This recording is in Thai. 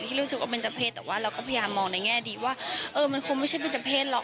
แต่ว่าเราก็พยายามมองในแง่ดีว่าเออมันคงไม่ใช่เป็นจำเพศหรอก